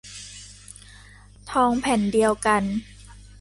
ทองแผ่นเดียวกัน